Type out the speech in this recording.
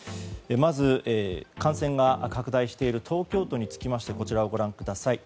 まず、感染が拡大している東京都につきましてこちらをご覧ください。